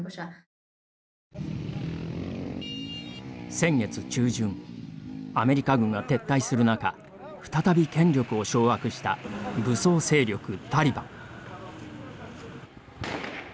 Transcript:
先月中旬アメリカ軍が撤退する中再び権力を掌握した武装勢力タリバン。